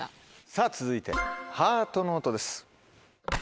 さぁ続いてハートの音です。